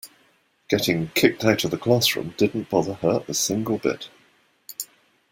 Getting kicked out of the classroom didn't bother her a single bit.